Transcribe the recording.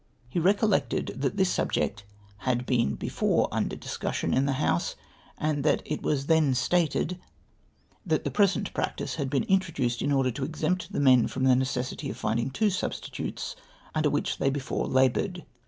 He recollected that this subject had been before under discussion in the House, and that it was then stated that the present MY EFFORTS FRUITLESS. 277 practice had been introduced in order to exempt tlie men from the necessity of finding two substitutes, under whicli they before laboured.